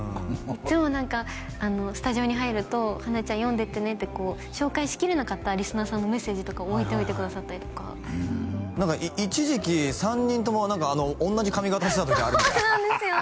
いつも何かスタジオに入ると「花ちゃん読んでってね」ってこう紹介しきれなかったリスナーさんのメッセージとか置いといてくださったりとか何か一時期３人とも何かおんなじ髪型してた時あるみたいそうなんですよ